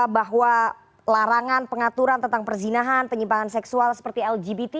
bahwa larangan pengaturan tentang perzinahan penyimpangan seksual seperti lgbt